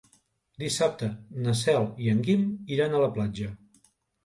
Dissabte na Cel i en Guim iran a la platja.